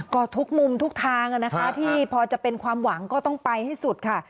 ก็ทุกมุมทุกทางนะคะที่พอจะเป็นความหวังก็ต้องไปให้สุดค่ะ